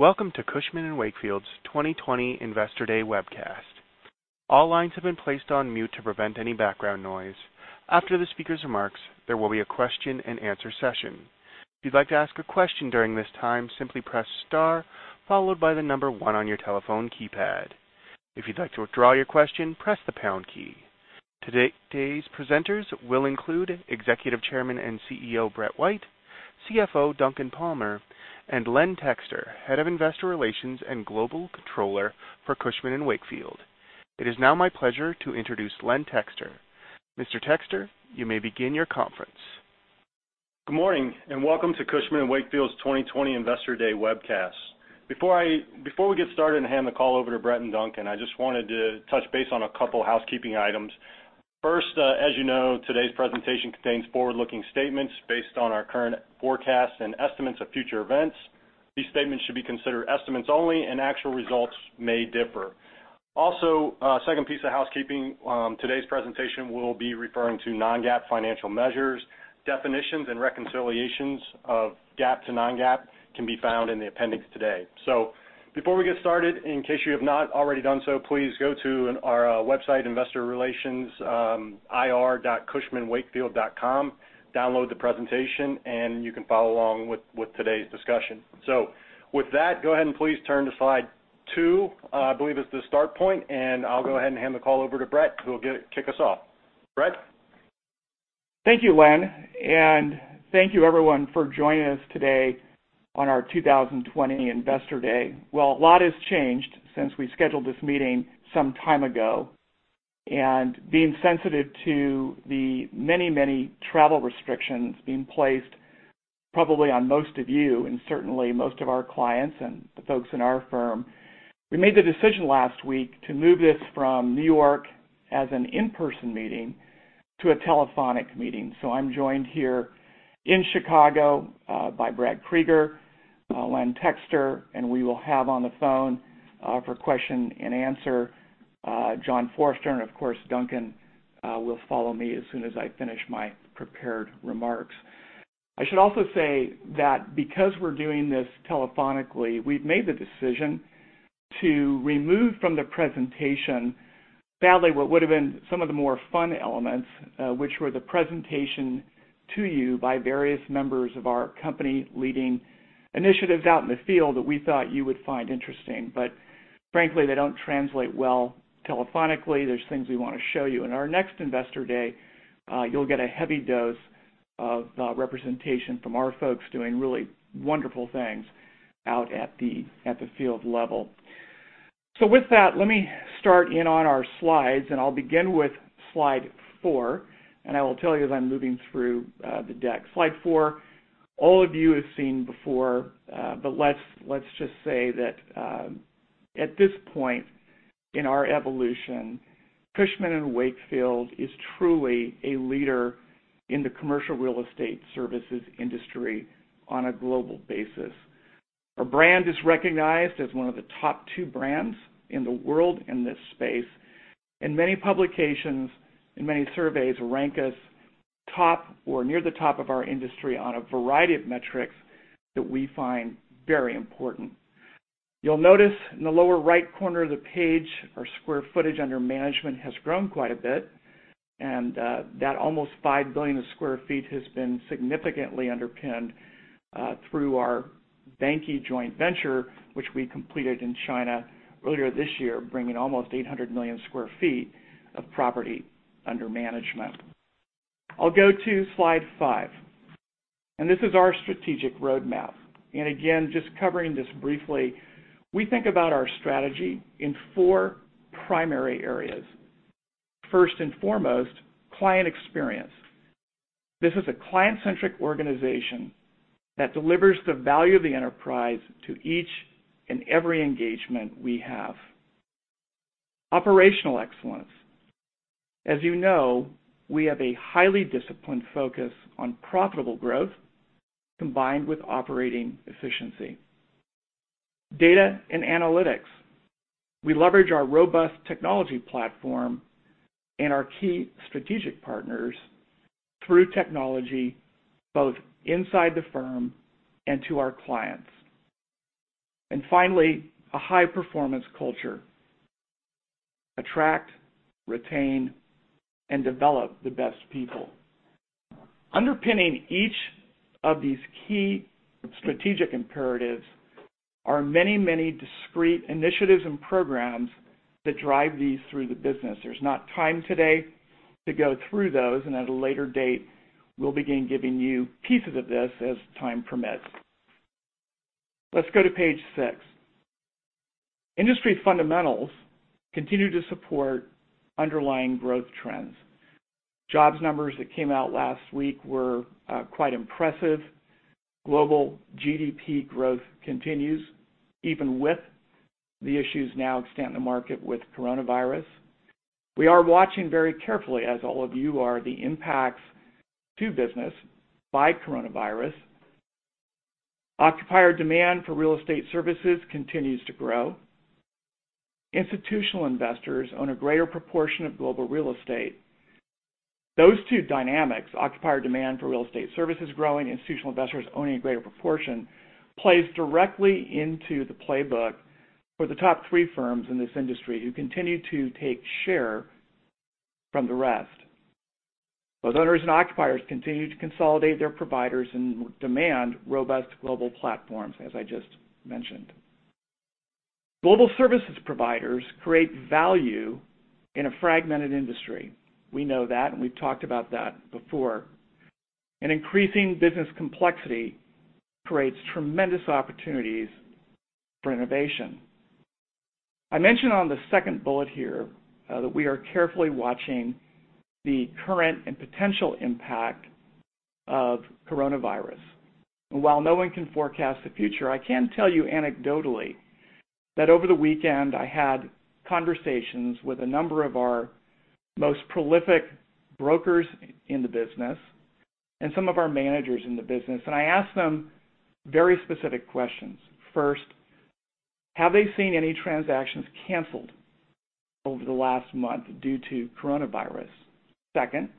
Welcome to Cushman & Wakefield's 2020 Investor Day webcast. All lines have been placed on mute to prevent any background noise. After the speaker's remarks, there will be a question and answer session. If you'd like to ask a question during this time, simply press star, followed by the number one on your telephone keypad. If you'd like to withdraw your question, press the pound key. Today's presenters will include Executive Chairman and CEO, Brett White, CFO, Duncan Palmer, and Len Texter, Head of Investor Relations and Global Controller for Cushman & Wakefield. It is now my pleasure to introduce Len Texter. Mr. Texter, you may begin your conference. Good morning. Welcome to Cushman & Wakefield's 2020 Investor Day webcast. Before we get started and hand the call over to Brett and Duncan, I just wanted to touch base on a couple housekeeping items. First, as you know, today's presentation contains forward-looking statements based on our current forecasts and estimates of future events. These statements should be considered estimates only, and actual results may differ. A second piece of housekeeping, today's presentation will be referring to non-GAAP financial measures. Definitions and reconciliations of GAAP to non-GAAP can be found in the appendix today. Before we get started, in case you have not already done so, please go to our website, Investor Relations, ir.cushmanwakefield.com, download the presentation, and you can follow along with today's discussion. With that, go ahead and please turn to slide two. I believe it's the start point, and I'll go ahead and hand the call over to Brett, who will kick us off. Brett? Thank you, Len, thank you, everyone, for joining us today on our 2020 Investor Day. Well, a lot has changed since we scheduled this meeting some time ago. Being sensitive to the many travel restrictions being placed probably on most of you and certainly most of our clients and the folks in our firm, we made the decision last week to move this from New York as an in-person meeting to a telephonic meeting. I'm joined here in Chicago by Brad Kreiger, Len Texter, and we will have on the phone, for question and answer, John Forrester, and of course, Duncan will follow me as soon as I finish my prepared remarks. I should also say that because we're doing this telephonically, we've made the decision to remove from the presentation, sadly, what would've been some of the more fun elements, which were the presentation to you by various members of our company leading initiatives out in the field that we thought you would find interesting. Frankly, they don't translate well telephonically. There's things we want to show you. In our next Investor Day, you'll get a heavy dose of representation from our folks doing really wonderful things out at the field level. With that, let me start in on our slides, and I'll begin with slide four, and I will tell you as I'm moving through the deck. Slide four, all of you have seen before, but let's just say that at this point in our evolution, Cushman & Wakefield is truly a leader in the commercial real estate services industry on a global basis. Our brand is recognized as one of the top two brands in the world in this space. Many publications and many surveys rank us top or near the top of our industry on a variety of metrics that we find very important. You'll notice in the lower right corner of the page, our square footage under management has grown quite a bit, and that almost 5 billion square feet has been significantly underpinned through our Vanke joint venture, which we completed in China earlier this year, bringing almost 800 million square feet of property under management. I'll go to slide five, and this is our strategic roadmap. Again, just covering this briefly, we think about our strategy in four primary areas. First and foremost, client experience. This is a client-centric organization that delivers the value of the enterprise to each and every engagement we have. Operational excellence. As you know, we have a highly disciplined focus on profitable growth combined with operating efficiency. Data and analytics. We leverage our robust technology platform and our key strategic partners through technology, both inside the firm and to our clients. Finally, a high-performance culture. Attract, retain, and develop the best people. Underpinning each of these key strategic imperatives are many, many discrete initiatives and programs that drive these through the business. There's not time today to go through those, and at a later date, we'll begin giving you pieces of this as time permits. Let's go to page six. Industry fundamentals continue to support underlying growth trends. Jobs numbers that came out last week were quite impressive. Global GDP growth continues even with the issues now extant in the market with coronavirus. We are watching very carefully, as all of you are, the impacts to business by coronavirus. Occupier demand for real estate services continues to grow. Institutional investors own a greater proportion of global real estate. Those two dynamics, occupier demand for real estate services growing, institutional investors owning a greater proportion, plays directly into the playbook for the top three firms in this industry who continue to take share from the rest. Both owners and occupiers continue to consolidate their providers and demand robust global platforms, as I just mentioned. Global services providers create value in a fragmented industry. We know that, we've talked about that before. Increasing business complexity creates tremendous opportunities for innovation. I mentioned on the second bullet here that we are carefully watching the current and potential impact of coronavirus. While no one can forecast the future, I can tell you anecdotally that over the weekend, I had conversations with a number of our most prolific brokers in the business and some of our managers in the business. I asked them very specific questions. First, have they seen any transactions canceled over the last month due to coronavirus? Second,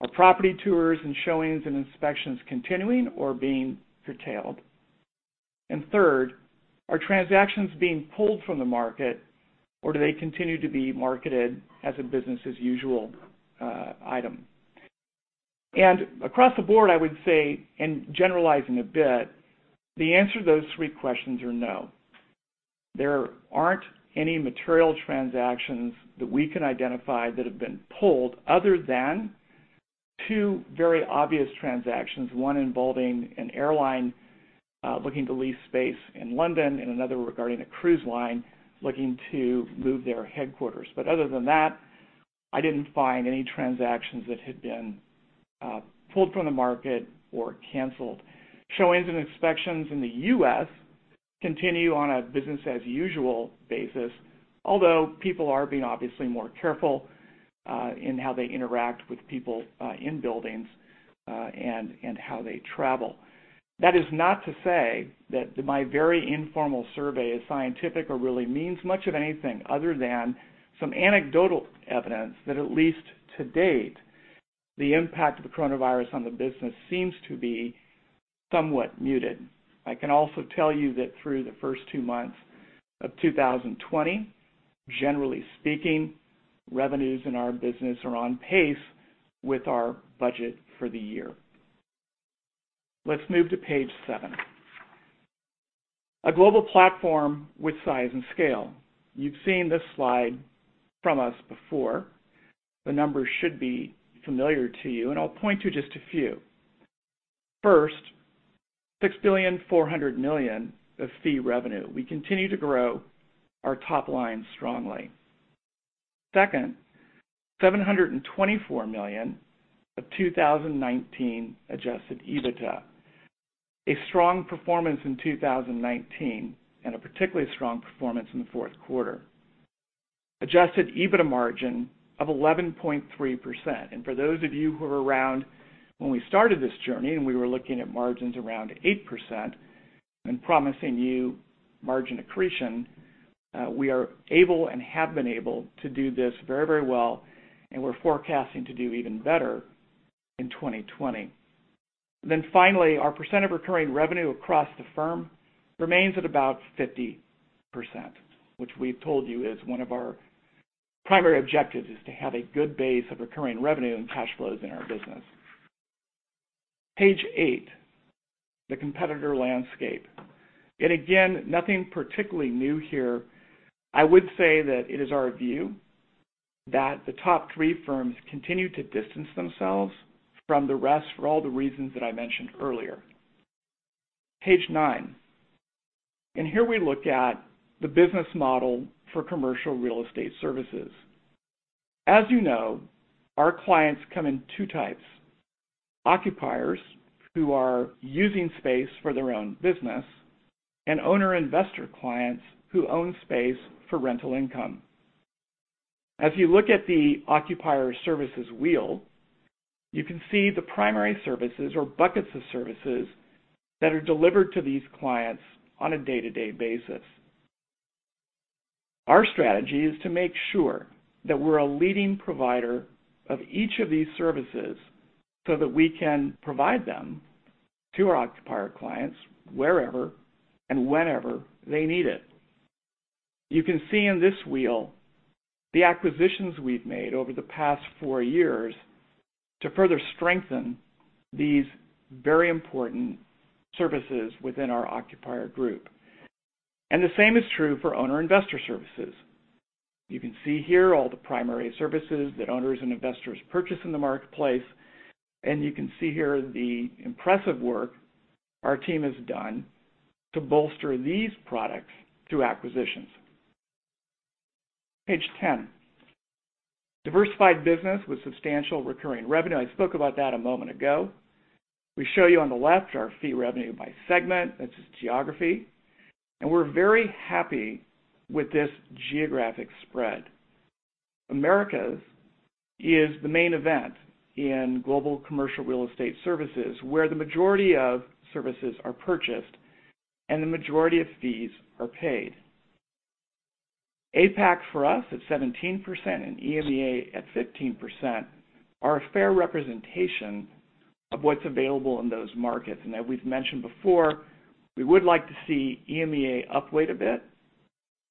are property tours and showings and inspections continuing or being curtailed? Third, are transactions being pulled from the market, or do they continue to be marketed as a business as usual item? Across the board, I would say, and generalizing a bit, the answer to those three questions are no. There aren't any material transactions that we can identify that have been pulled, other than two very obvious transactions, one involving an airline looking to lease space in London and another regarding a cruise line looking to move their headquarters. Other than that, I didn't find any transactions that had been pulled from the market or canceled. Showings and inspections in the U.S. continue on a business as usual basis, although people are being obviously more careful in how they interact with people in buildings and how they travel. That is not to say that my very informal survey is scientific or really means much of anything other than some anecdotal evidence that at least to date, the impact of the coronavirus on the business seems to be somewhat muted. I can also tell you that through the first two months of 2020, generally speaking, revenues in our business are on pace with our budget for the year. Let's move to page seven. A global platform with size and scale. You've seen this slide from us before. The numbers should be familiar to you, and I'll point to just a few. First, $6.4 billion of fee revenue. We continue to grow our top line strongly. Second, $724 million of 2019 Adjusted EBITDA. A strong performance in 2019, and a particularly strong performance in the fourth quarter. Adjusted EBITDA margin of 11.3%. For those of you who were around when we started this journey, and we were looking at margins around 8% and promising you margin accretion, we are able and have been able to do this very well, and we're forecasting to do even better in 2020. Finally, our percent of recurring revenue across the firm remains at about 50%, which we've told you is one of our primary objectives is to have a good base of recurring revenue and cash flows in our business. Page eight, the competitor landscape. Again, nothing particularly new here. I would say that it is our view that the top three firms continue to distance themselves from the rest for all the reasons that I mentioned earlier. Page nine. Here we look at the business model for commercial real estate services. As you know, our clients come in two types: occupiers who are using space for their own business, and owner investor clients who own space for rental income. As you look at the occupier services wheel, you can see the primary services or buckets of services that are delivered to these clients on a day-to-day basis. Our strategy is to make sure that we're a leading provider of each of these services so that we can provide them to our occupier clients wherever and whenever they need it. You can see in this wheel the acquisitions we've made over the past four years to further strengthen these very important services within our occupier group. The same is true for owner investor services. You can see here all the primary services that owners and investors purchase in the marketplace, and you can see here the impressive work our team has done to bolster these products through acquisitions. Page 10. Diversified business with substantial recurring revenue. I spoke about that a moment ago. We show you on the left our fee revenue by segment. That's just geography. We're very happy with this geographic spread. Americas is the main event in global commercial real estate services, where the majority of services are purchased and the majority of fees are paid. APAC for us at 17% and EMEA at 15% are a fair representation of what's available in those markets. As we've mentioned before, we would like to see EMEA upweight a bit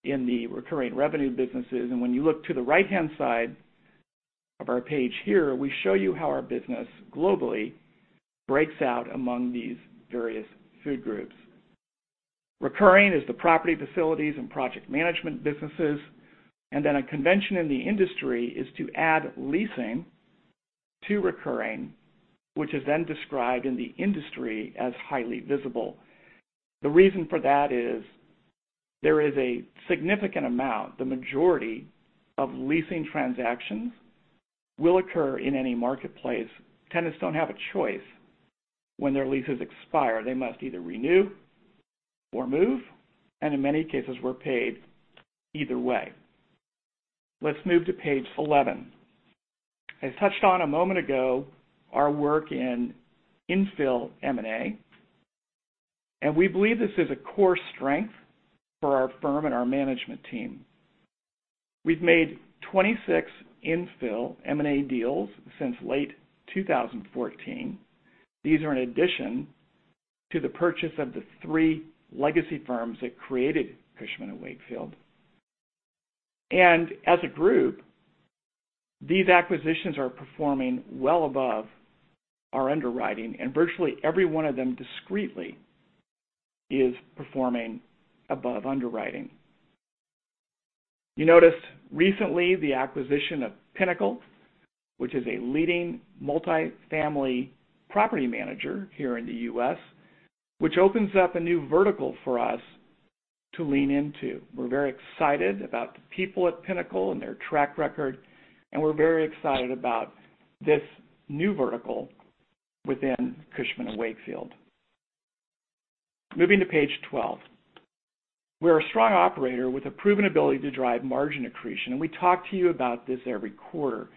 in the recurring revenue businesses. When you look to the right-hand side of our page here, we show you how our business globally breaks out among these various food groups. Recurring is the property facilities and project management businesses. A convention in the industry is to add leasing to recurring, which is then described in the industry as highly visible. The reason for that is there is a significant amount, the majority of leasing transactions will occur in any marketplace. Tenants don't have a choice when their leases expire. They must either renew or move, and in many cases, we're paid either way. Let's move to page 11. I touched on a moment ago our work in infill M&A, and we believe this is a core strength for our firm and our management team. We've made 26 infill M&A deals since late 2014. These are in addition to the purchase of the three legacy firms that created Cushman & Wakefield. As a group, these acquisitions are performing well above our underwriting, and virtually every one of them discreetly is performing above underwriting. You notice recently the acquisition of Pinnacle, which is a leading multi-family property manager here in the U.S., which opens up a new vertical for us to lean into. We're very excited about the people at Pinnacle and their track record, and we're very excited about this new vertical within Cushman & Wakefield. Moving to page 12. We're a strong operator with a proven ability to drive margin accretion, and we talk to you about this every quarter.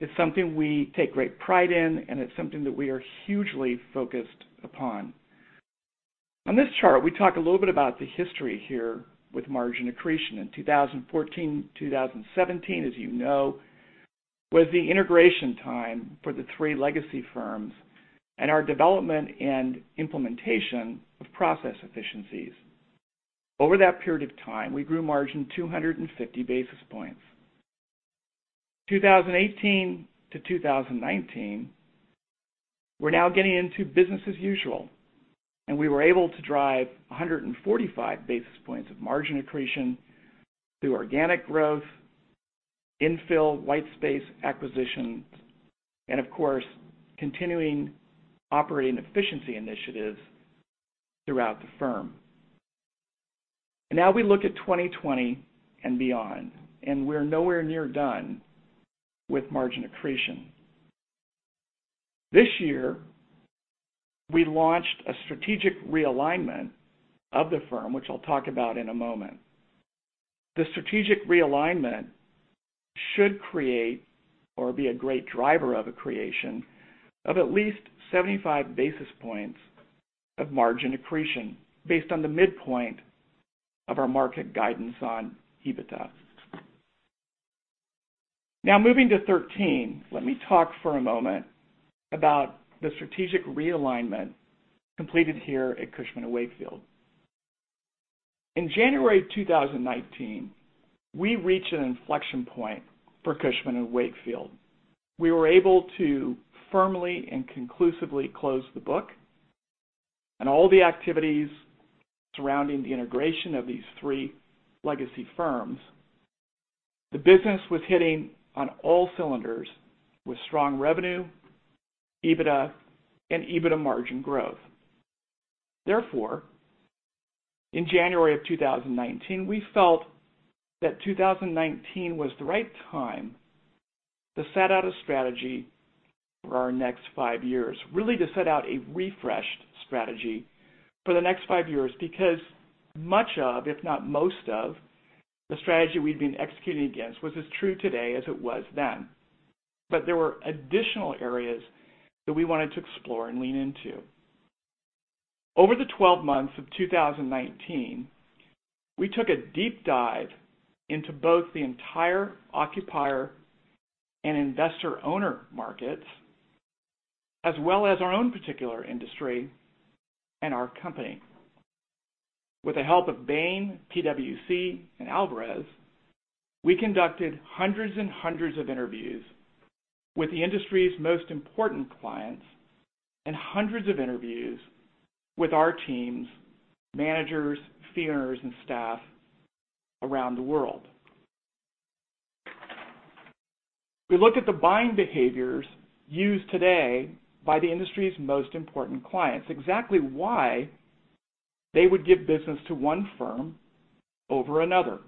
It's something we take great pride in, and it's something that we are hugely focused upon. On this chart, we talk a little bit about the history here with margin accretion. In 2014, 2017, as you know, was the integration time for the three legacy firms and our development and implementation of process efficiencies. Over that period of time, we grew margin 250 basis points. 2018-2019, we're now getting into business as usual, and we were able to drive 145 basis points of margin accretion through organic growth, infill, white space acquisitions, and of course, continuing operating efficiency initiatives throughout the firm. Now we look at 2020 and beyond, and we're nowhere near done with margin accretion. This year, we launched a strategic realignment of the firm, which I'll talk about in a moment. The strategic realignment should create or be a great driver of a creation of at least 75 basis points of margin accretion based on the midpoint of our market guidance on EBITDA. Now moving to 13, let me talk for a moment about the strategic realignment completed here at Cushman & Wakefield. In January 2019, we reached an inflection point for Cushman & Wakefield. We were able to firmly and conclusively close the book on all the activities surrounding the integration of these three legacy firms. The business was hitting on all cylinders with strong revenue, EBITDA, and EBITDA margin growth. In January of 2019, we felt that 2019 was the right time to set out a strategy for our next five years, really to set out a refreshed strategy for the next five years, because much of, if not most of the strategy we'd been executing against was as true today as it was then. There were additional areas that we wanted to explore and lean into. Over the 12 months of 2019, we took a deep dive into both the entire occupier and investor/owner markets, as well as our own particular industry and our company. With the help of Bain, PwC, and Alvarez, we conducted hundreds and hundreds of interviews with the industry's most important clients and hundreds of interviews with our teams, managers, fee earners, and staff around the world. We looked at the buying behaviors used today by the industry's most important clients. Exactly why they would give business to one firm over another.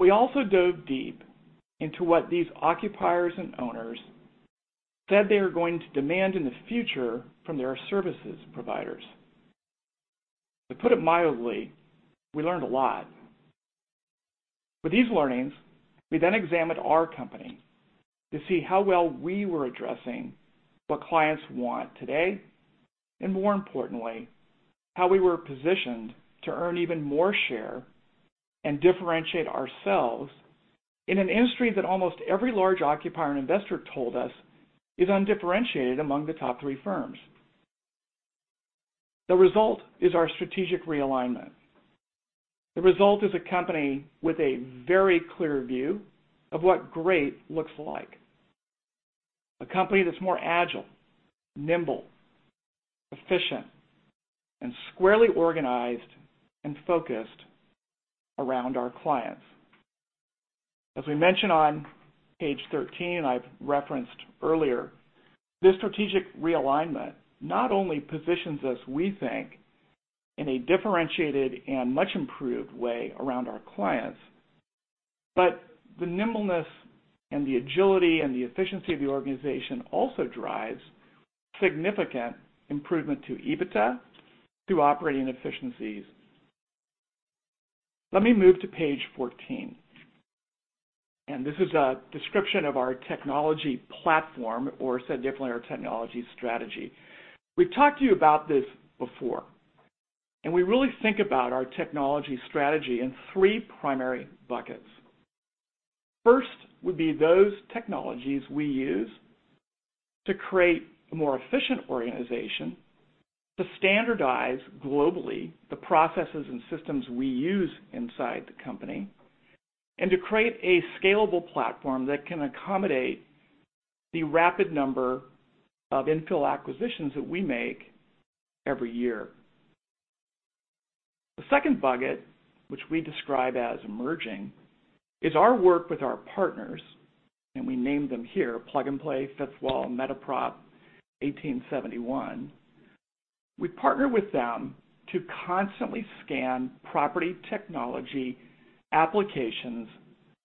We also dove deep into what these occupiers and owners said they were going to demand in the future from their services providers. To put it mildly, we learned a lot. With these learnings, we then examined our company to see how well we were addressing what clients want today, and more importantly, how we were positioned to earn even more share and differentiate ourselves in an industry that almost every large occupier and investor told us is undifferentiated among the top three firms. The result is our strategic realignment. The result is a company with a very clear view of what great looks like. A company that's more agile, nimble, efficient, and squarely organized and focused around our clients. As we mentioned on page 13, I've referenced earlier, this strategic realignment not only positions us, we think, in a differentiated and much improved way around our clients, but the nimbleness and the agility and the efficiency of the organization also drives significant improvement to EBITDA through operating efficiencies. Let me move to page 14. This is a description of our technology platform or, said differently, our technology strategy. We've talked to you about this before, and we really think about our technology strategy in three primary buckets. First would be those technologies we use to create a more efficient organization, to standardize globally the processes and systems we use inside the company, and to create a scalable platform that can accommodate the rapid number of infill acquisitions that we make every year. The second bucket, which we describe as emerging, is our work with our partners, and we name them here, Plug and Play, Fifth Wall, MetaProp, 1871. We partner with them to constantly scan property technology applications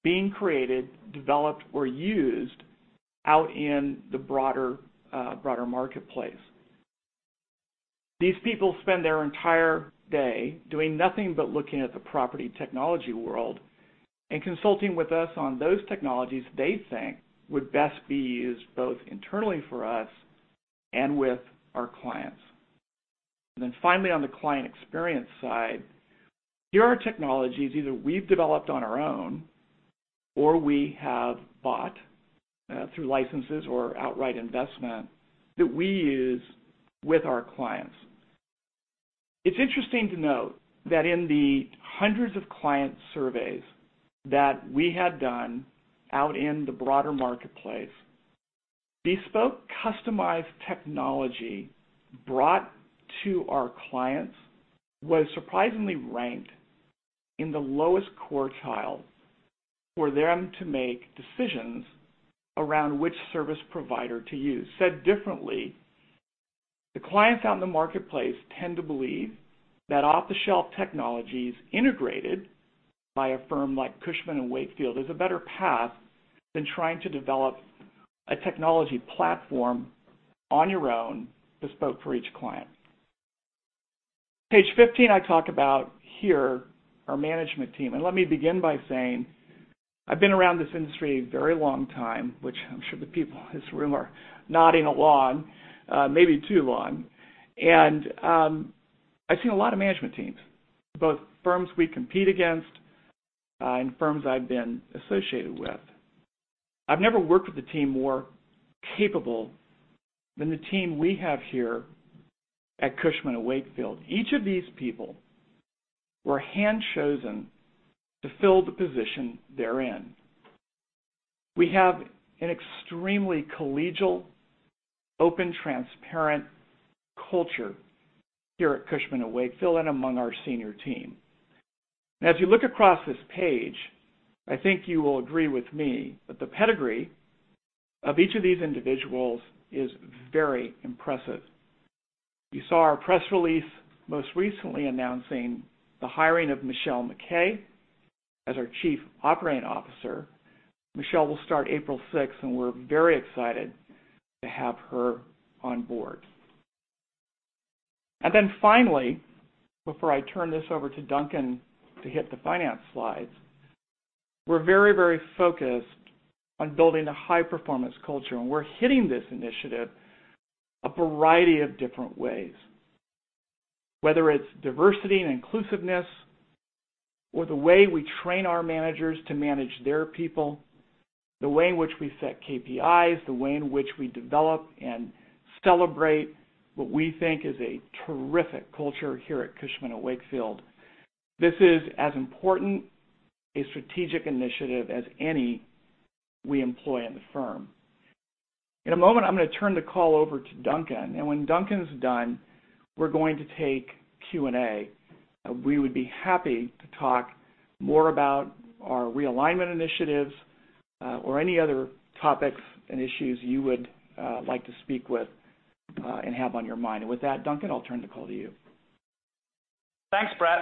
being created, developed or used out in the broader marketplace. These people spend their entire day doing nothing but looking at the property technology world and consulting with us on those technologies they think would best be used both internally for us and with our clients. Then finally, on the client experience side, here are technologies either we've developed on our own or we have bought through licenses or outright investment that we use with our clients. It's interesting to note that in the hundreds of client surveys that we had done out in the broader marketplace, bespoke customized technology brought to our clients was surprisingly ranked in the lowest quartile for them to make decisions around which service provider to use. Said differently, the clients out in the marketplace tend to believe that off-the-shelf technologies integrated by a firm like Cushman & Wakefield is a better path than trying to develop a technology platform on your own bespoke for each client. Page 15, I talk about here our management team. Let me begin by saying I've been around this industry a very long time, which I'm sure the people in this room are nodding along, maybe too long. I've seen a lot of management teams, both firms we compete against and firms I've been associated with. I've never worked with a team more capable than the team we have here at Cushman & Wakefield. Each of these people were hand-chosen to fill the position they're in. We have an extremely collegial, open, transparent culture here at Cushman & Wakefield and among our senior team. As you look across this page, I think you will agree with me that the pedigree of each of these individuals is very impressive. You saw our press release most recently announcing the hiring of Michelle MacKay as our Chief Operating Officer. Michelle will start April 6th, and we're very excited to have her on board. Finally, before I turn this over to Duncan to hit the finance slides, we're very focused on building a high-performance culture, and we're hitting this initiative a variety of different ways. Whether it's diversity and inclusiveness, or the way we train our managers to manage their people, the way in which we set KPIs, the way in which we develop and celebrate what we think is a terrific culture here at Cushman & Wakefield. This is as important a strategic initiative as any we employ in the firm. In a moment, I'm going to turn the call over to Duncan, and when Duncan's done, we're going to take Q&A. We would be happy to talk more about our realignment initiatives, or any other topics and issues you would like to speak with, and have on your mind. With that, Duncan, I'll turn the call to you. Thanks, Brett.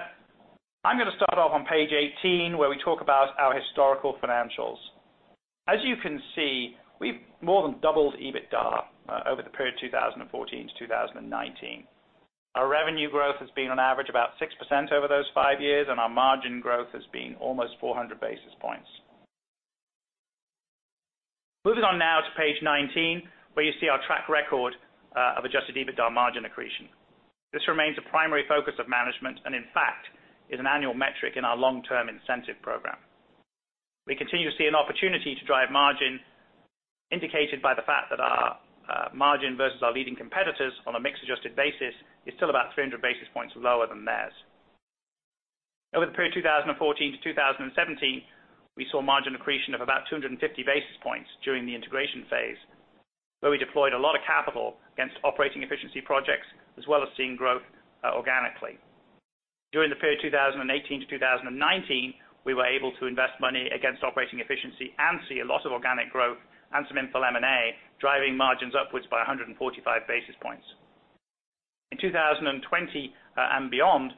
I'm going to start off on page 18 where we talk about our historical financials. As you can see, we've more than doubled EBITDA over the period 2014 to 2019. Our revenue growth has been on average about 6% over those five years, and our margin growth has been almost 400 basis points. Moving on now to page 19, where you see our track record of Adjusted EBITDA margin accretion. This remains a primary focus of management and in fact, is an annual metric in our long-term incentive program. We continue to see an opportunity to drive margin indicated by the fact that our margin versus our leading competitors on a mix adjusted basis is still about 300 basis points lower than theirs. Over the period 2014-2017, we saw margin accretion of about 250 basis points during the integration phase, where we deployed a lot of capital against operating efficiency projects, as well as seeing growth organically. During the period 2018-2019, we were able to invest money against operating efficiency and see a lot of organic growth and some infill M&A, driving margins upwards by 145 basis points. In 2020 and beyond,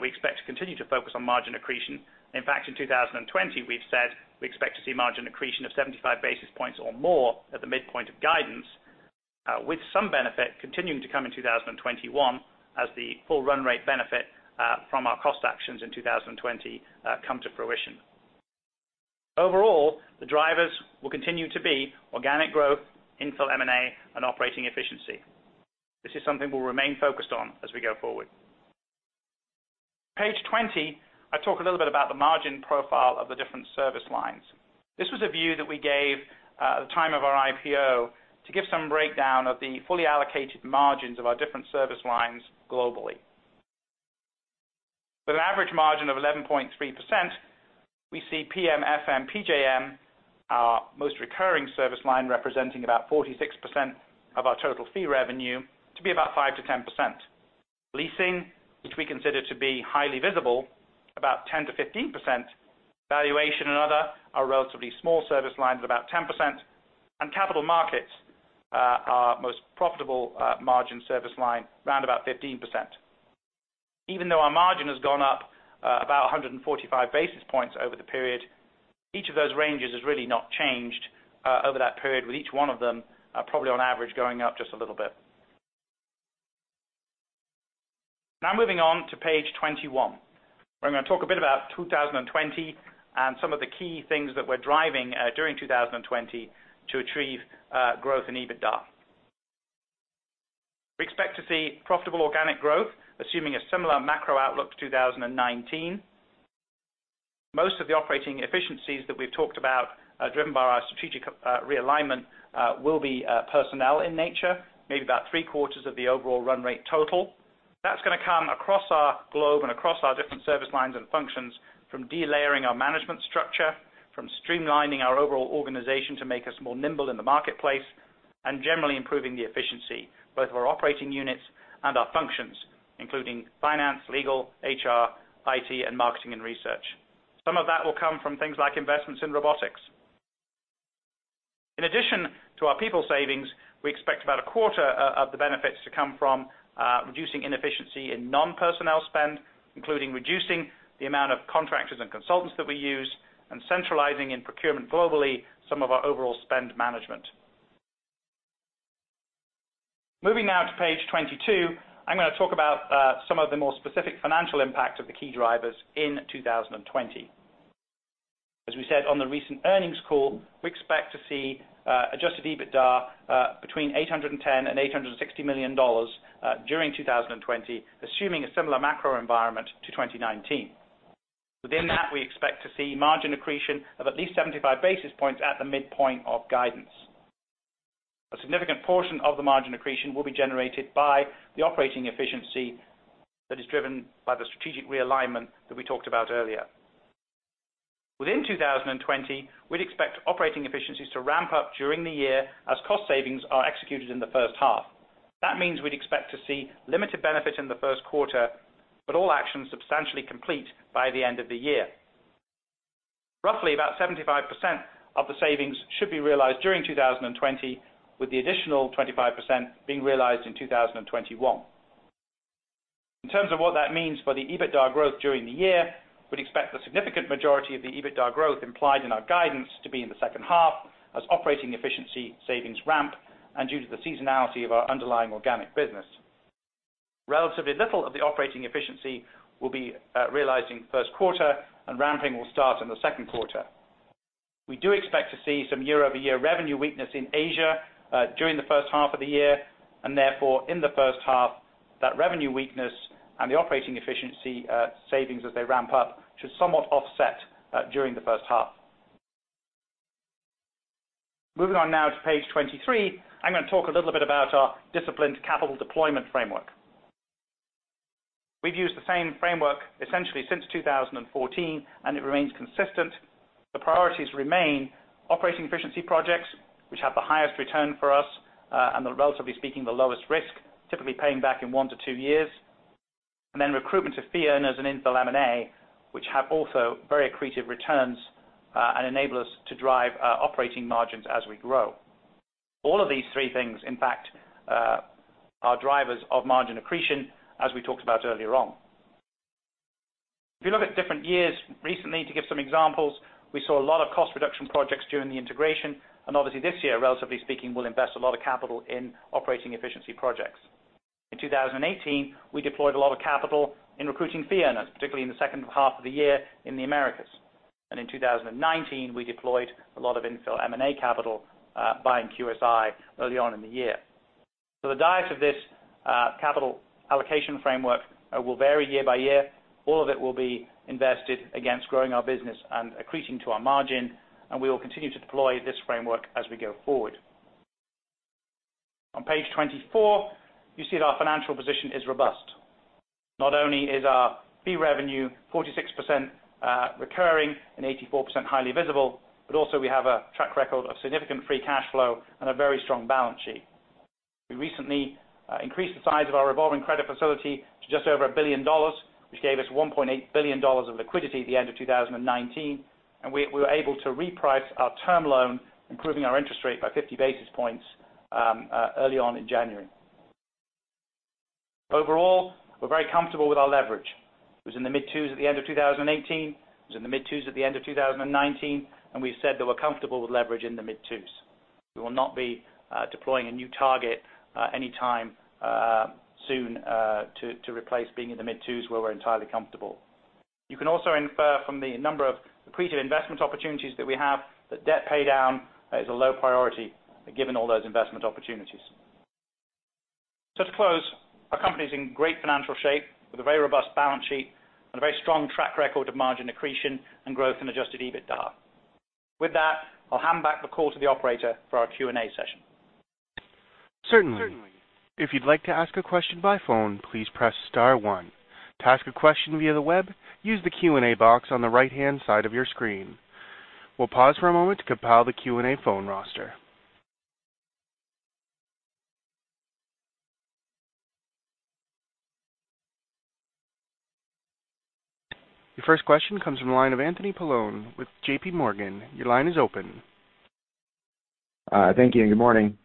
we expect to continue to focus on margin accretion. In fact, in 2020 we've said we expect to see margin accretion of 75 basis points or more at the midpoint of guidance, with some benefit continuing to come in 2021 as the full run rate benefit from our cost actions in 2020 come to fruition. Overall, the drivers will continue to be organic growth, infill M&A, and operating efficiency. This is something we'll remain focused on as we go forward. Page 20, I talk a little bit about the margin profile of the different service lines. This was a view that we gave at the time of our IPO to give some breakdown of the fully allocated margins of our different service lines globally. With an average margin of 11.3%, we see PMFM, PJM, our most recurring service line representing about 46% of our total fee revenue to be about 5%-10%. leasing, which we consider to be highly visible, about 10%-15%. valuation and other are relatively small service lines at about 10%. Capital markets, our most profitable margin service line round about 15%. Even though our margin has gone up about 145 basis points over the period, each of those ranges has really not changed over that period with each one of them probably on average going up just a little bit. Moving on to page 21, where I'm going to talk a bit about 2020 and some of the key things that we're driving during 2020 to achieve growth in EBITDA. We expect to see profitable organic growth, assuming a similar macro outlook to 2019. Most of the operating efficiencies that we've talked about are driven by our strategic realignment will be personnel in nature, maybe about three-quarters of the overall run rate total. That's going to come across our globe and across our different service lines and functions, from delayering our management structure, from streamlining our overall organization to make us more nimble in the marketplace, and generally improving the efficiency both of our operating units and our functions, including finance, legal, HR, IT, and marketing and research. Some of that will come from things like investments in robotics. In addition to our people savings, we expect about a quarter of the benefits to come from reducing inefficiency in non-personnel spend, including reducing the amount of contractors and consultants that we use and centralizing in procurement globally some of our overall spend management. Moving now to page 22, I'm going to talk about some of the more specific financial impact of the key drivers in 2020. As we said on the recent earnings call, we expect to see Adjusted EBITDA between $810 and $860 million during 2020, assuming a similar macro environment to 2019. Within that, we expect to see margin accretion of at least 75 basis points at the midpoint of guidance. A significant portion of the margin accretion will be generated by the operating efficiency that is driven by the strategic realignment that we talked about earlier. Within 2020, we'd expect operating efficiencies to ramp up during the year as cost savings are executed in the first half. That means we'd expect to see limited benefit in the first quarter, but all actions substantially complete by the end of the year. Roughly about 75% of the savings should be realized during 2020, with the additional 25% being realized in 2021. In terms of what that means for the EBITDA growth during the year, we'd expect the significant majority of the EBITDA growth implied in our guidance to be in the second half as operating efficiency savings ramp and due to the seasonality of our underlying organic business. Relatively little of the operating efficiency will be realizing first quarter and ramping will start in the second quarter. We do expect to see some year-over-year revenue weakness in Asia during the first half of the year, and therefore in the first half, that revenue weakness and the operating efficiency savings as they ramp up should somewhat offset during the first half. Moving on now to page 23, I'm going to talk a little bit about our disciplined capital deployment framework. We've used the same framework essentially since 2014, and it remains consistent. The priorities remain operating efficiency projects, which have the highest return for us and the, relatively speaking, the lowest risk, typically paying back in one to two years. Then recruitment of fee earners and infill M&A, which have also very accretive returns and enable us to drive operating margins as we grow. All of these three things, in fact, are drivers of margin accretion, as we talked about earlier on. If you look at different years recently, to give some examples, we saw a lot of cost reduction projects during the integration, and obviously this year, relatively speaking, we'll invest a lot of capital in operating efficiency projects. In 2018, we deployed a lot of capital in recruiting fee earners, particularly in the second half of the year in the Americas. In 2019, we deployed a lot of infill M&A capital buying QSI early on in the year. The diet of this capital allocation framework will vary year by year. All of it will be invested against growing our business and accreting to our margin, and we will continue to deploy this framework as we go forward. On page 24, you see that our financial position is robust. Not only is our fee revenue 46% recurring and 84% highly visible, but also we have a track record of significant free cash flow and a very strong balance sheet. We recently increased the size of our revolving credit facility to just over $1 billion, which gave us $1.8 billion of liquidity at the end of 2019, and we were able to reprice our term loan, improving our interest rate by 50 basis points early on in January. Overall, we're very comfortable with our leverage. It was in the mid twos at the end of 2018, it was in the mid twos at the end of 2019, and we've said that we're comfortable with leverage in the mid twos. We will not be deploying a new target anytime soon to replace being in the mid twos, where we're entirely comfortable. You can also infer from the number of accretive investment opportunities that we have that debt paydown is a low priority given all those investment opportunities. To close, our company's in great financial shape with a very robust balance sheet and a very strong track record of margin accretion and growth in Adjusted EBITDA. With that, I'll hand back the call to the operator for our Q&A session. Certainly. If you'd like to ask a question by phone, please press star one. To ask a question via the web, use the Q&A box on the right-hand side of your screen. We'll pause for a moment to compile the Q&A phone roster. Your first question comes from the line of Anthony Paolone with JPMorgan. Your line is open. Thank you, and good morning.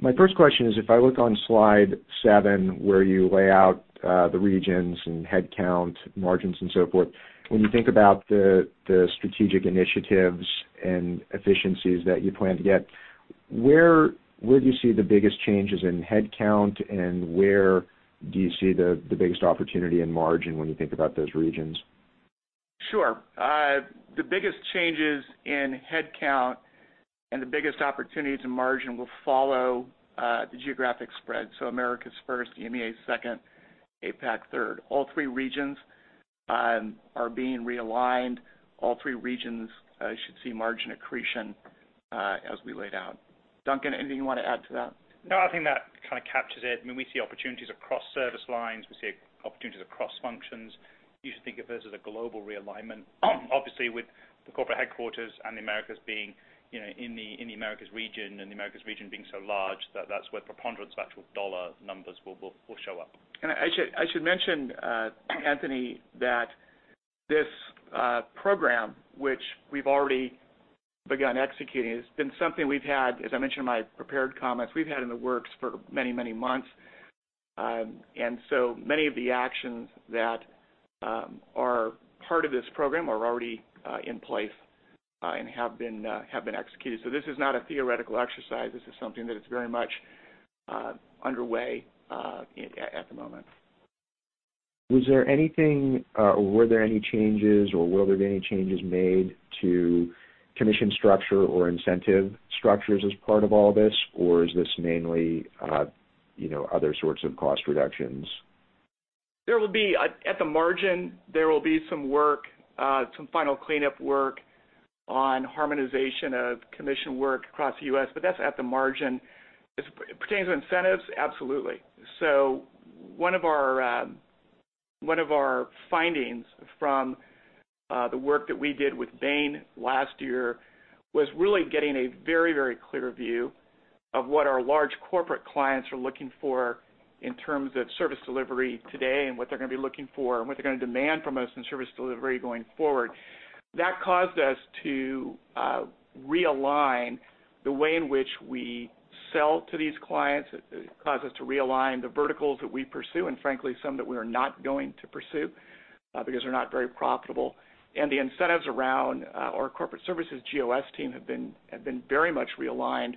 My first question is, if I look on slide seven, where you lay out the regions and headcounts, margins and so forth, when you think about the strategic initiatives and efficiencies that you plan to get, where do you see the biggest changes in headcount, and where do you see the biggest opportunity in margin when you think about those regions? Sure. The biggest changes in headcount and the biggest opportunities in margin will follow the geographic spread. Americas first, EMEA second, APAC third. All three regions are being realigned. All three regions should see margin accretion as we laid out. Duncan, anything you want to add to that? No, I think that kind of captures it. We see opportunities across service lines, we see opportunities across functions. You should think of this as a global realignment. Obviously, with the corporate headquarters and the Americas being in the Americas region, and the Americas region being so large, that that's where the preponderance of actual dollar numbers will show up. I should mention, Anthony, that this program, which we've already begun executing, has been something we've had, as I mentioned in my prepared comments, we've had in the works for many, many months. Many of the actions that are part of this program are already in place and have been executed. This is not a theoretical exercise. This is something that is very much underway at the moment. Was there anything, or were there any changes, or will there be any changes made to commission structure or incentive structures as part of all this? Is this mainly other sorts of cost reductions? At the margin, there will be some final cleanup work on harmonization of commission work across the U.S., but that's at the margin. Pertaining to incentives, absolutely. One of our findings from the work that we did with Bain last year was really getting a very clear view of what our large corporate clients are looking for in terms of service delivery today and what they're going to be looking for and what they're going to demand from us in service delivery going forward. That caused us to realign the way in which we sell to these clients. It caused us to realign the verticals that we pursue, and frankly, some that we are not going to pursue because they're not very profitable. The incentives around our corporate services GOS team have been very much realigned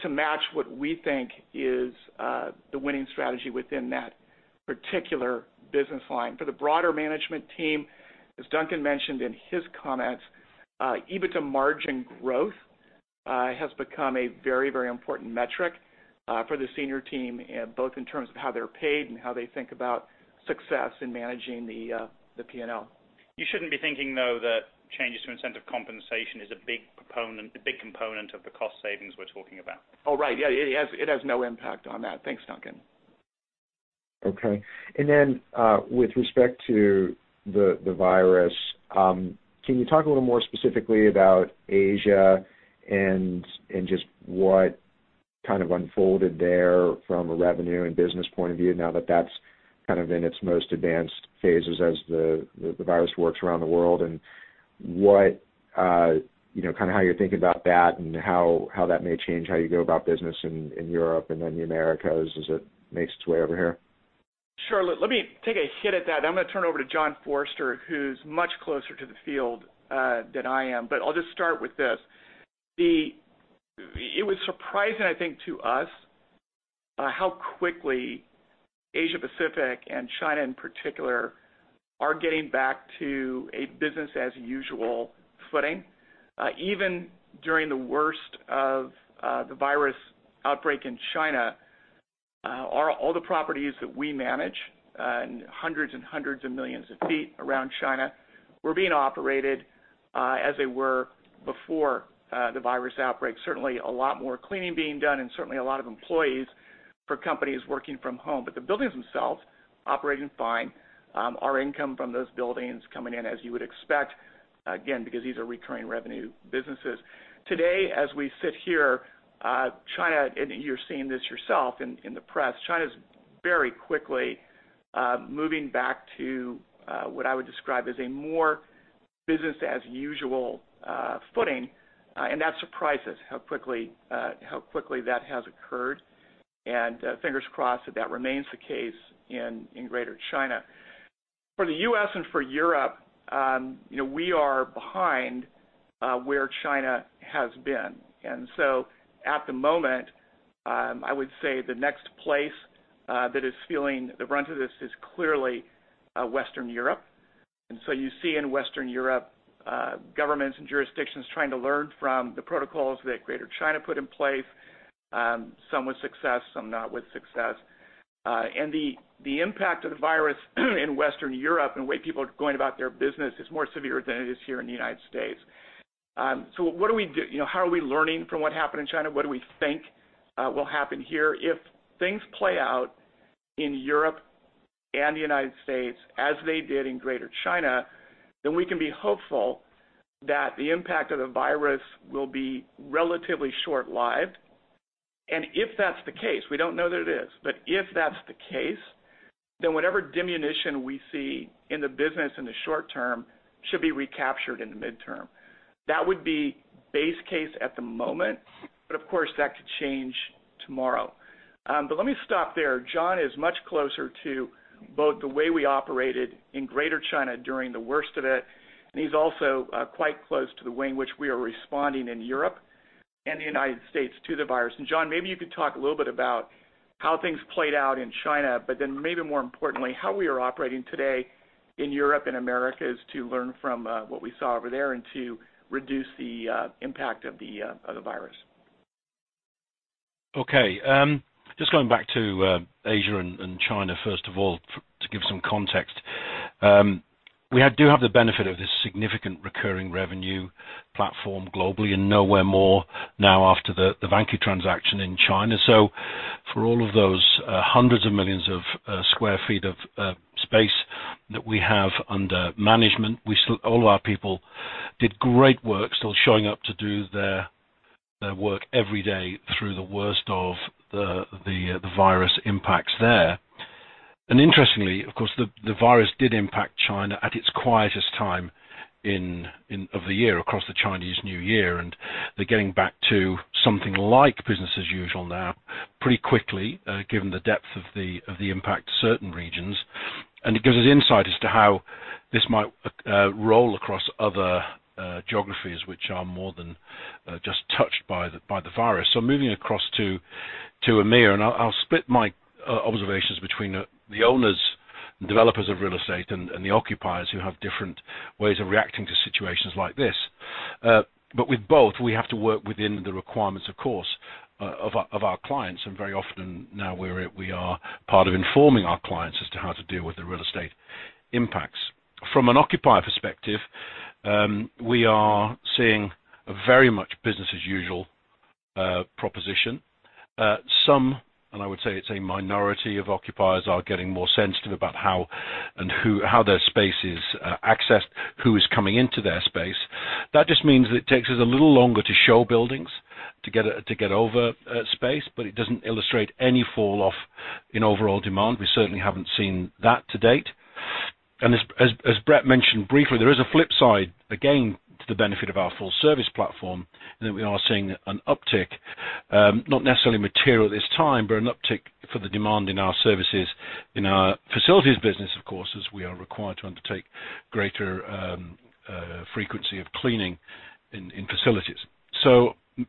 to match what we think is the winning strategy within that particular business line. For the broader management team, as Duncan mentioned in his comments, EBITDA margin growth has become a very important metric for the senior team, both in terms of how they're paid and how they think about success in managing the P&L. You shouldn't be thinking, though, that changes to incentive compensation is a big component of the cost savings we're talking about. Oh, right. Yeah. It has no impact on that. Thanks, Duncan. Okay. With respect to the virus, can you talk a little more specifically about Asia and just what kind of unfolded there from a revenue and business point of view now that that's kind of in its most advanced phases as the virus works around the world, and kind of how you're thinking about that and how that may change how you go about business in Europe and then the Americas as it makes its way over here. Sure. Let me take a hit at that. I'm going to turn it over to John Forrester, who's much closer to the field than I am. I'll just start with this. It was surprising, I think, to us how quickly Asia Pacific, and China in particular, are getting back to a business as usual footing. Even during the worst of the virus outbreak in China, all the properties that we manage, and hundreds and hundreds of millions of feet around China, were being operated as they were before the virus outbreak. Certainly a lot more cleaning being done, and certainly a lot of employees for companies working from home. The buildings themselves operating fine. Our income from those buildings coming in as you would expect, again, because these are recurring revenue businesses. Today, as we sit here, China, and you're seeing this yourself in the press, China's very quickly moving back to what I would describe as a more business as usual footing. That surprises how quickly that has occurred, and fingers crossed that remains the case in greater China. For the U.S. and for Europe, we are behind where China has been. At the moment, I would say the next place that is feeling the brunt of this is clearly Western Europe. You see in Western Europe, governments and jurisdictions trying to learn from the protocols that greater China put in place, some with success, some not with success. The impact of the virus in Western Europe and the way people are going about their business is more severe than it is here in the United States. What do we do? How are we learning from what happened in China? What do we think will happen here? If things play out in Europe and the United States as they did in greater China, then we can be hopeful that the impact of the virus will be relatively short-lived. If that's the case, we don't know that it is, but if that's the case, then whatever diminution we see in the business in the short term should be recaptured in the midterm. That would be base case at the moment, but of course, that could change tomorrow. Let me stop there. John is much closer to both the way we operated in greater China during the worst of it, and he's also quite close to the way in which we are responding in Europe and the United States to the virus. John, maybe you could talk a little bit about how things played out in China, but then maybe more importantly, how we are operating today in Europe and America as to learn from what we saw over there and to reduce the impact of the virus. Okay. Just going back to Asia and China, first of all, to give some context. We do have the benefit of this significant recurring revenue platform globally and nowhere more now after the Vanke transaction in China. For all of those hundreds of millions of square feet of space that we have under management, all of our people did great work, still showing up to do their work every day through the worst of the virus impacts there. Interestingly, of course, the virus did impact China at its quietest time of the year across the Chinese New Year, and they're getting back to something like business as usual now pretty quickly, given the depth of the impact to certain regions. It gives us insight as to how this might roll across other geographies which are more than just touched by the virus. Moving across to EMEA, and I'll split my observations between the owners and developers of real estate and the occupiers who have different ways of reacting to situations like this. With both, we have to work within the requirements, of course, of our clients, and very often now we are part of informing our clients as to how to deal with the real estate impacts. From an occupier perspective, we are seeing a very much business as usual proposition. Some, and I would say it's a minority of occupiers, are getting more sensitive about how their space is accessed, who is coming into their space. That just means that it takes us a little longer to show buildings to get over space, but it doesn't illustrate any fall off in overall demand. We certainly haven't seen that to date. As Brett mentioned briefly, there is a flip side, again, to the benefit of our full service platform, in that we are seeing an uptick, not necessarily material at this time, but an uptick for the demand in our services, in our facilities business, of course, as we are required to undertake greater frequency of cleaning in facilities.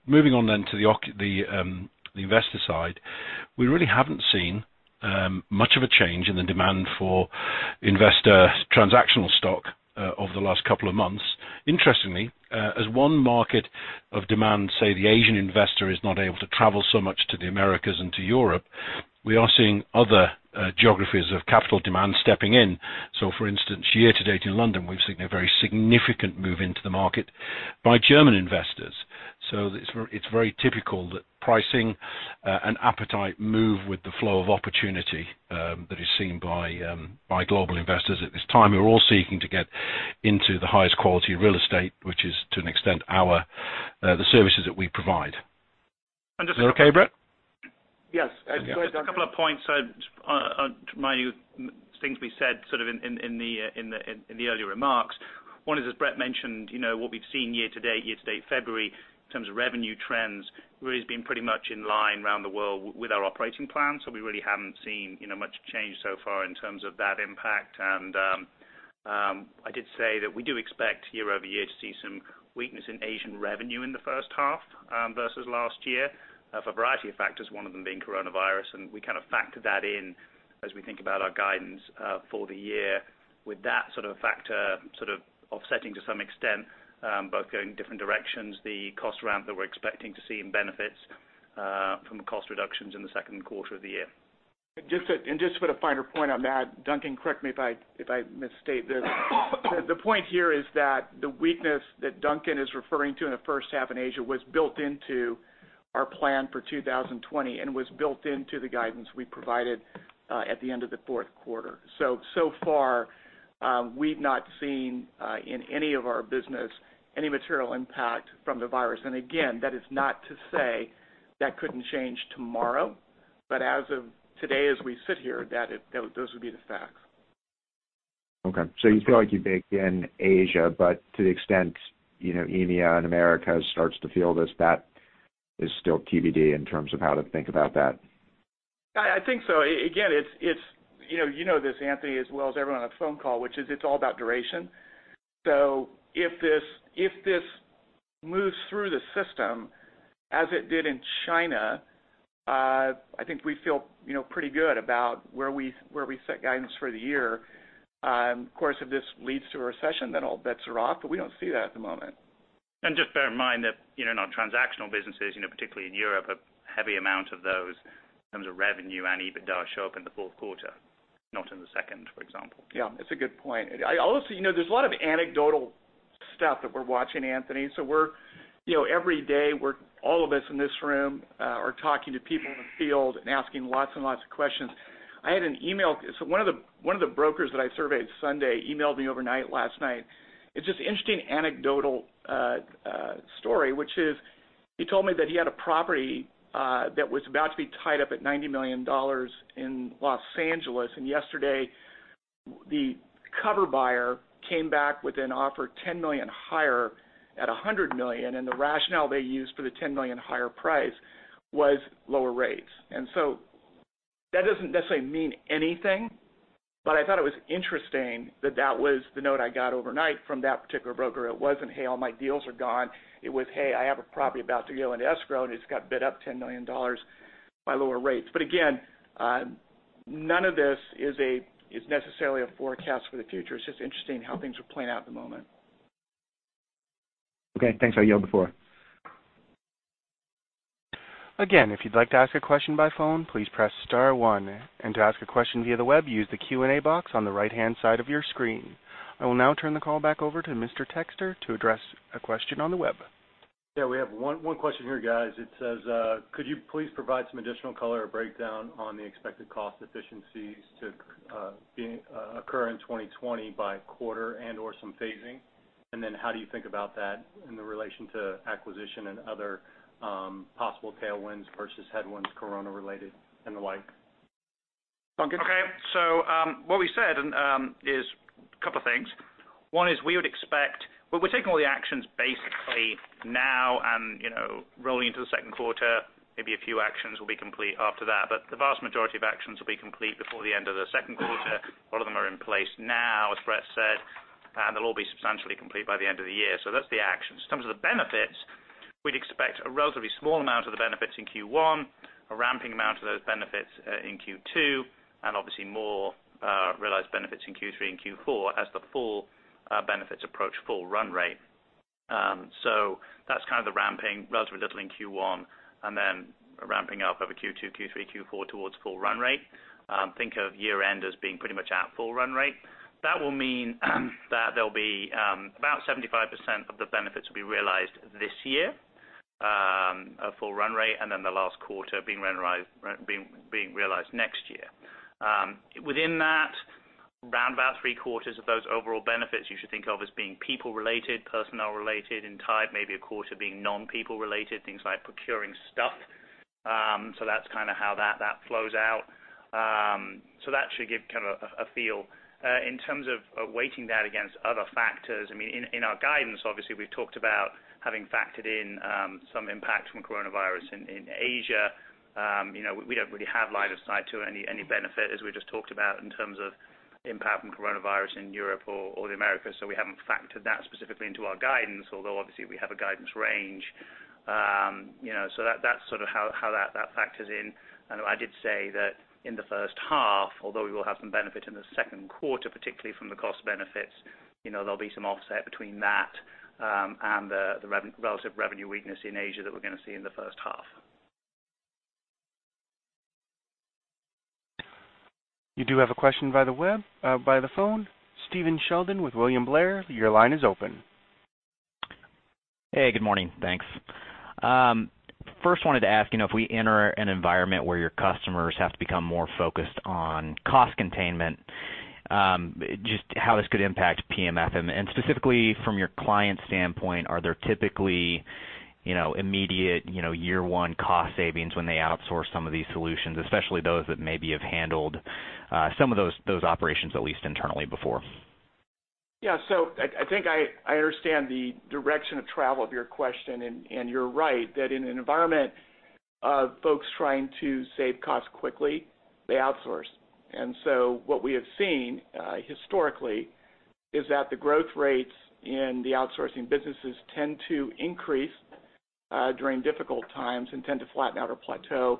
Moving on then to the investor side. We really haven't seen much of a change in the demand for investor transactional stock over the last couple of months. Interestingly, as one market of demand, say the Asian investor is not able to travel so much to the Americas and to Europe, we are seeing other geographies of capital demand stepping in. For instance, year to date in London, we've seen a very significant move into the market by German investors. It's very typical that pricing and appetite move with the flow of opportunity that is seen by global investors. At this time, we're all seeking to get. Into the highest quality real estate, which is, to an extent, the services that we provide. I'm just- Is that okay, Brett? Yes. Yeah. Just a couple of points to remind you things we said sort of in the earlier remarks. One is, as Brett mentioned, what we've seen year-to-date, February, in terms of revenue trends, really has been pretty much in line around the world with our operating plans. We really haven't seen much change so far in terms of that impact. I did say that we do expect year-over-year to see some weakness in Asian revenue in the first half versus last year for a variety of factors, one of them being coronavirus, and we kind of factor that in as we think about our guidance for the year. With that sort of factor sort of offsetting to some extent, both going different directions, the cost ramp that we're expecting to see in benefits from cost reductions in the second quarter of the year. Just to put a finer point on that, Duncan, correct me if I misstate this. The point here is that the weakness that Duncan is referring to in the first half in Asia was built into our plan for 2020 and was built into the guidance we provided at the end of the fourth quarter. So far, we've not seen, in any of our business, any material impact from the virus. Again, that is not to say that couldn't change tomorrow, but as of today as we sit here, those would be the facts. Okay. You feel like you've baked in Asia, but to the extent EMEA and America starts to feel this, that is still TBD in terms of how to think about that. I think so. Again, you know this, Anthony, as well as everyone on the phone call, which is it's all about duration. If this moves through the system as it did in China, I think we feel pretty good about where we set guidance for the year. Of course, if this leads to a recession, all bets are off, but we don't see that at the moment. Just bear in mind that in our transactional businesses, particularly in Europe, a heavy amount of those in terms of revenue and EBITDA show up in the fourth quarter, not in the second, for example. Yeah, that's a good point. There's a lot of anecdotal stuff that we're watching, Anthony Paolone. Every day, all of us in this room are talking to people in the field and asking lots and lots of questions. One of the brokers that I surveyed Sunday emailed me overnight last night. It's just interesting anecdotal story, which is he told me that he had a property that was about to be tied up at $90 million in Los Angeles, and yesterday the cover buyer came back with an offer $10 million higher at $100 million, and the rationale they used for the $10 million higher price was lower rates. That doesn't necessarily mean anything, but I thought it was interesting that that was the note I got overnight from that particular broker. It wasn't, "Hey, all my deals are gone." It was, "Hey, I have a property about to go into escrow, and it just got bid up $10 million by lower rates." Again, none of this is necessarily a forecast for the future. It's just interesting how things are playing out at the moment. Okay, thanks. I yield the floor. Again, if you'd like to ask a question by phone, please press star one, and to ask a question via the web, use the Q&A box on the right-hand side of your screen. I will now turn the call back over to Mr. Texter to address a question on the web. Yeah, we have one question here, guys. It says, could you please provide some additional color or breakdown on the expected cost efficiencies to occur in 2020 by quarter and/or some phasing? How do you think about that in the relation to acquisition and other possible tailwinds versus headwinds, corona related and the like? Duncan? Okay, what we said is a couple of things. One is we're taking all the actions basically now and rolling into the second quarter. Maybe a few actions will be complete after that, the vast majority of actions will be complete before the end of the second quarter. A lot of them are in place now, as Brett said, they'll all be substantially complete by the end of the year. That's the actions. In terms of the benefits, we'd expect a relatively small amount of the benefits in Q1, a ramping amount of those benefits in Q2, and obviously more realized benefits in Q3 and Q4 as the full benefits approach full run rate. That's kind of the ramping, relatively little in Q1, and then ramping up over Q2, Q3, Q4 towards full run rate. Think of year end as being pretty much at full run rate. That will mean that there'll be about 75% of the benefits will be realized this year at full run rate, and then the last quarter being realized next year. Within that, around about three quarters of those overall benefits you should think of as being people related, personnel related, and tied maybe a quarter being non-people related, things like procuring stuff. That's kind of how that flows out. That should give kind of a feel. In terms of weighting that against other factors, I mean, in our guidance, obviously we've talked about having factored in some impact from coronavirus in Asia. We don't really have line of sight to any benefit, as we just talked about, in terms of impact from coronavirus in Europe or the Americas. We haven't factored that specifically into our guidance, although obviously we have a guidance range. That's sort of how that factors in. I did say that in the first half, although we will have some benefit in the second quarter, particularly from the cost benefits, there'll be some offset between that and the relative revenue weakness in Asia that we're going to see in the first half. You do have a question by the phone. Stephen Sheldon with William Blair, your line is open. Hey, good morning. Thanks. First, wanted to ask if we enter an environment where your customers have to become more focused on cost containment, just how this could impact PMF? Specifically from your client standpoint, are there typically immediate year one cost savings when they outsource some of these solutions, especially those that maybe have handled some of those operations at least internally before? Yeah. I think I understand the direction of travel of your question, and you're right that in an environment of folks trying to save costs quickly, they outsource. What we have seen historically is that the growth rates in the outsourcing businesses tend to increase during difficult times and tend to flatten out or plateau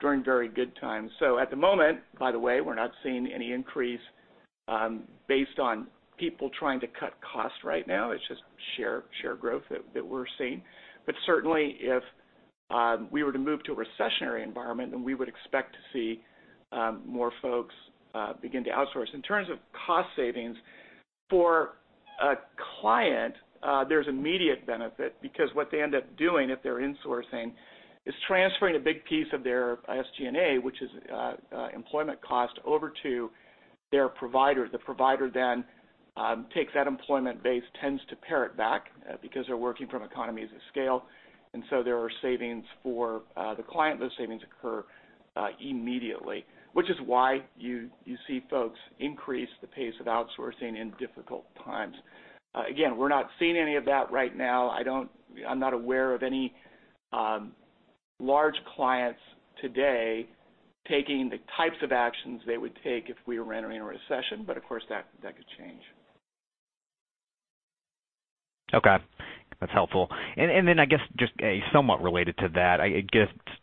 during very good times. At the moment, by the way, we're not seeing any increase based on people trying to cut costs right now. It's just share growth that we're seeing. Certainly, if we were to move to a recessionary environment, then we would expect to see more folks begin to outsource. In terms of cost savings, for a client, there's immediate benefit because what they end up doing if they're insourcing is transferring a big piece of their SG&A, which is employment cost, over to their provider. The provider then takes that employment base, tends to pare it back because they're working from economies of scale. There are savings for the client. Those savings occur immediately, which is why you see folks increase the pace of outsourcing in difficult times. Again, we're not seeing any of that right now. I'm not aware of any large clients today taking the types of actions they would take if we were entering a recession. Of course, that could change. Okay. That's helpful. I guess, just somewhat related to that,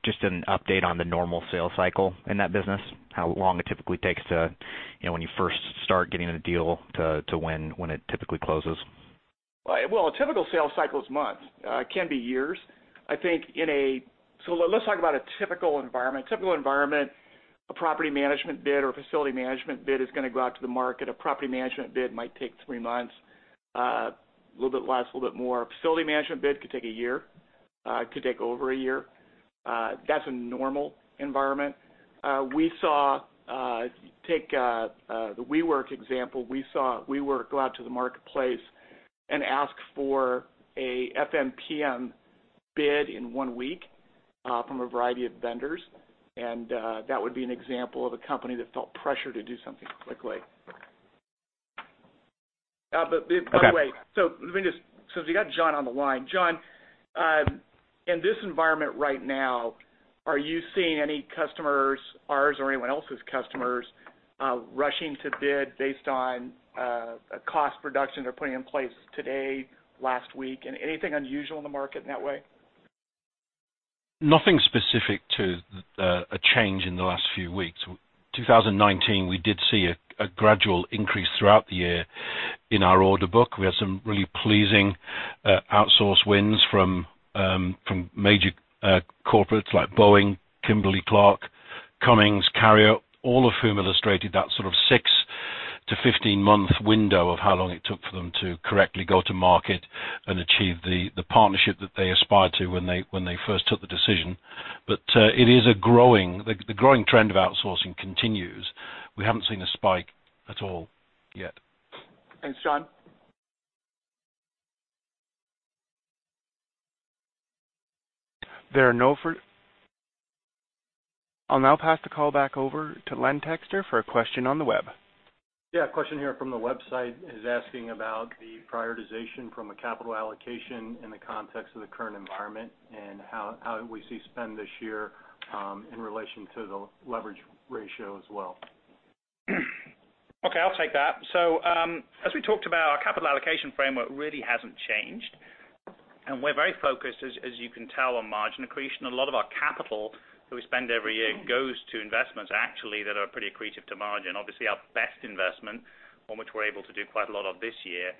just an update on the normal sales cycle in that business, how long it typically takes to, when you first start getting a deal to when it typically closes. Well, a typical sales cycle is months. It can be years. Let's talk about a typical environment. A typical environment, a property management bid or facility management bid is going to go out to the market. A property management bid might take three months, a little bit less, a little bit more. A facility management bid could take a year. It could take over a year. That's a normal environment. Take the WeWork example. We saw WeWork go out to the marketplace and ask for a FMPM bid in one week from a variety of vendors, and that would be an example of a company that felt pressure to do something quickly. Okay. By the way, let me just, since we got John on the line, John, in this environment right now, are you seeing any customers, ours or anyone else's customers, rushing to bid based on a cost reduction they're putting in place today, last week? Anything unusual in the market in that way? Nothing specific to a change in the last few weeks. 2019, we did see a gradual increase throughout the year in our order book. We had some really pleasing outsource wins from major corporates like Boeing, Kimberly-Clark, Cummins, Carrier, all of whom illustrated that sort of 6-15 month window of how long it took for them to correctly go to market and achieve the partnership that they aspired to when they first took the decision. The growing trend of outsourcing continues. We haven't seen a spike at all yet. Thanks, John. I'll now pass the call back over to Len Texter for a question on the web. Yeah, a question here from the website is asking about the prioritization from a capital allocation in the context of the current environment and how we see spend this year in relation to the leverage ratio as well. Okay, I'll take that. As we talked about, our capital allocation framework really hasn't changed, and we're very focused, as you can tell, on margin accretion. A lot of our capital that we spend every year goes to investments actually that are pretty accretive to margin. Obviously, our best investment, one which we're able to do quite a lot of this year,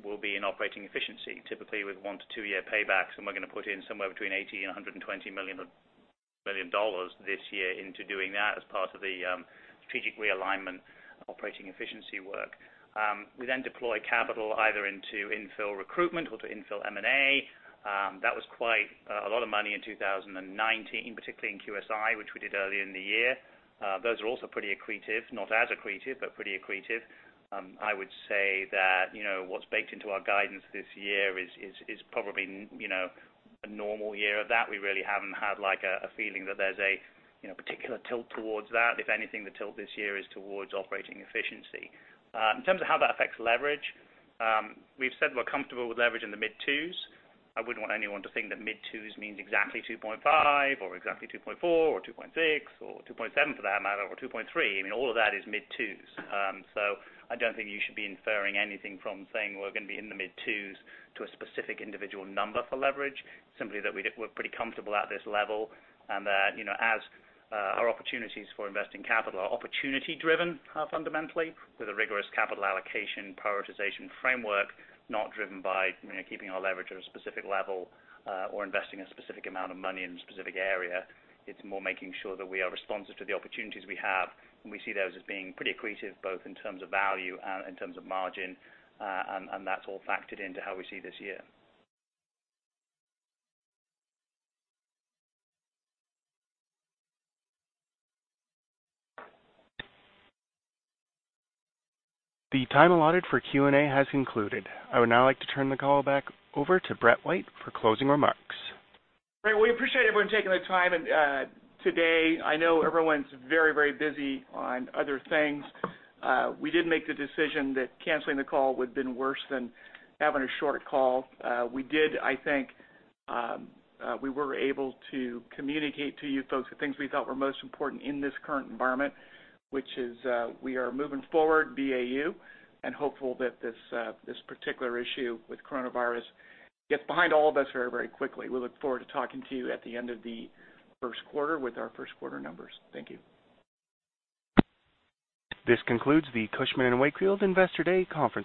will be in operating efficiency, typically with one to two-year paybacks. We're going to put in somewhere between $80 million and $120 million this year into doing that as part of the strategic realignment operating efficiency work. We then deploy capital either into infill recruitment or to infill M&A. That was quite a lot of money in 2019, particularly in QSI, which we did earlier in the year. Those are also pretty accretive. Not as accretive, but pretty accretive. I would say that what's baked into our guidance this year is probably a normal year of that. We really haven't had a feeling that there's a particular tilt towards that. The tilt this year is towards operating efficiency. In terms of how that affects leverage, we've said we're comfortable with leverage in the mid-twos. I wouldn't want anyone to think that mid-twos means exactly 2.5 or exactly 2.4 or 2.6 or 2.7 for that matter, or 2.3. I mean, all of that is mid-twos. I don't think you should be inferring anything from saying we're going to be in the mid-twos to a specific individual number for leverage, simply that we're pretty comfortable at this level and that as our opportunities for investing capital are opportunity driven fundamentally with a rigorous capital allocation prioritization framework, not driven by keeping our leverage at a specific level or investing a specific amount of money in a specific area. It's more making sure that we are responsive to the opportunities we have, and we see those as being pretty accretive, both in terms of value and in terms of margin. That's all factored into how we see this year. The time allotted for Q&A has concluded. I would now like to turn the call back over to Brett White for closing remarks. Great. Well, we appreciate everyone taking the time today. I know everyone's very busy on other things. We did make the decision that canceling the call would've been worse than having a short call. We were able to communicate to you folks the things we thought were most important in this current environment, which is we are moving forward BAU, and hopeful that this particular issue with coronavirus gets behind all of us very quickly. We look forward to talking to you at the end of the first quarter with our first quarter numbers. Thank you. This concludes the Cushman & Wakefield Investor Day conference call.